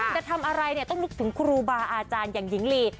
ค่นรึยังต้องใยเนื้อหญิงลี